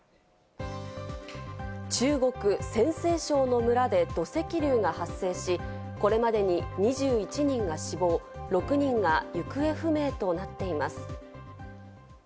中国・陝西省の村で土石流が発生し、これまでに２１人が死亡、６人が行方不明となっています。